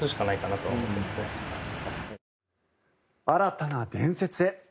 新たな伝説へ。